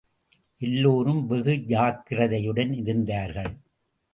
எல்லோரும் வெகு ஜாக்கிரதையுடன் இருந்தார்கள்.